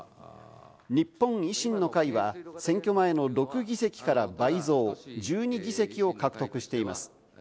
日本維新の会は選挙前の６議席から倍増、１２議席を獲得しています。